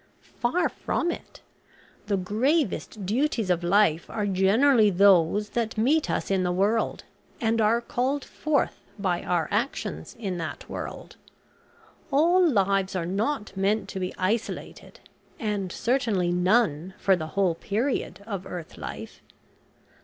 "Far from it. The gravest duties of life are generally those that meet us in the world, and are called forth by our actions in that world. All lives are not meant to be isolated, and certainly none for the whole period of earth life.